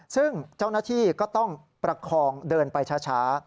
ซึ่งเจ้าหน้าที่ก็ต้องประคองเดินไปช้า